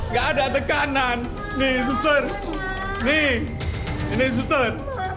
gak ada tekanan nih susur nih ini susur